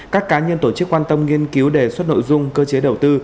các cá nhân tổ chức quan tâm nghiên cứu đề xuất nội dung cơ chế đầu tư